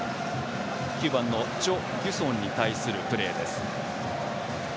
９番のチョ・ギュソンに対するプレーです。